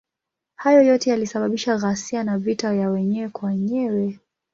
Hayo yote yalisababisha ghasia na vita ya wenyewe kwa wenyewe.